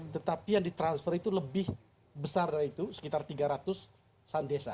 tetapi yang ditransfer itu lebih besar dari itu sekitar tiga ratus sundesa